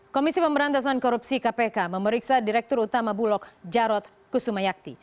komisi pemberantasan korupsi kpk memeriksa direktur utama bulog jarod kusumayakti